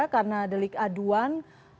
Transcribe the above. karena ada likaduan